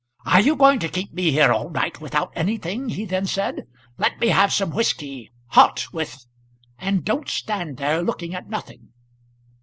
"Are you going to keep me here all night without anything?" he then said. "Let me have some whisky, hot, with; and don't stand there looking at nothing."